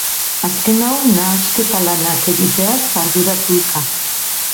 Azken hau nahasketa-lanak egiteaz arduratu da.